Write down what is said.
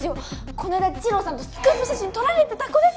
この間治郎さんとスクープ写真撮られてた子です。